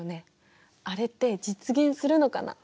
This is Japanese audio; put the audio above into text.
あれって実現するのかな？